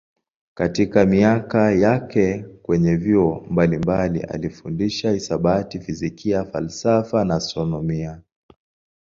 Katika miaka yake kwenye vyuo mbalimbali alifundisha hisabati, fizikia, falsafa na astronomia.